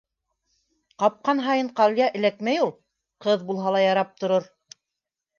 Ҡапҡан һайын ҡалъя эләкмәй ул. Ҡыҙ булһа ла ярап торор.